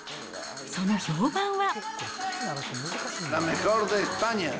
その評判は。